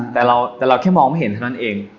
แต่เราแค่มองไม่เห็นเท่านั้นเอง